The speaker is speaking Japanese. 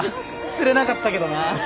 釣れなかったけどな。